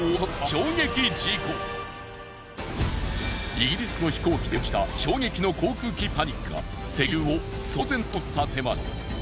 イギリスの飛行機で起きた衝撃の航空機パニックが世界中を騒然とさせました。